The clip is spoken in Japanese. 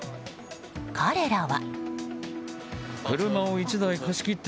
彼らは。